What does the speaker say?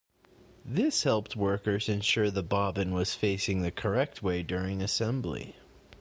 This helped workers ensure the bobbin was facing the correct way during assembly.